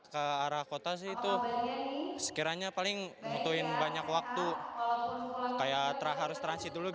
persekolabaan atau mentor dari krl